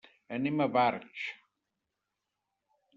Anem a Barx.